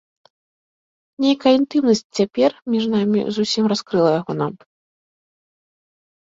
Нейкая інтымнасць цяпер між намі зусім раскрыла яго нам.